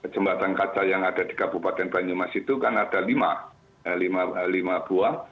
jembatan kaca yang ada di kabupaten banyumas itu kan ada lima buah